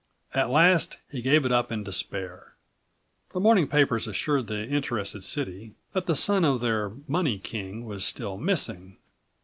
At last he gave it up in despair. The morning papers assured the interested city that the son of their money king was still missing.